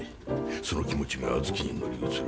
その気持ちが小豆に乗り移る。